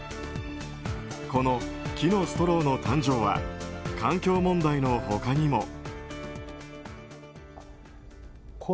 この木のストローの誕生は環境問題の他にも。